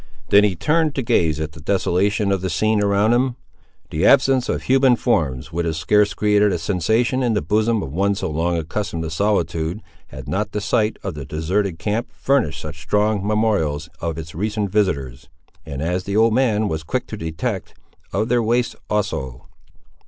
Then he turned to gaze at the desolation of the scene around him. The absence of human forms would have scarce created a sensation in the bosom of one so long accustomed to solitude, had not the site of the deserted camp furnished such strong memorials of its recent visitors, and as the old man was quick to detect, of their waste also.